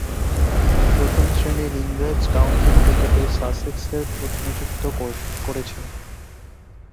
প্রথম-শ্রেণীর ইংরেজ কাউন্টি ক্রিকেটে সাসেক্সের প্রতিনিধিত্ব করেছেন।